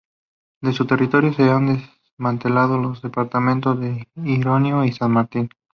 De su territorio se han desmembrado los departamentos de Iriondo y San Martín.